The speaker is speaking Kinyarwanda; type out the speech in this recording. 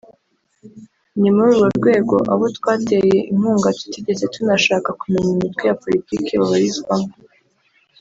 “Ni muri urwo rwego abo twateye inkunga tutigeze tunashaka kumenya imitwe ya politiki babarizwamo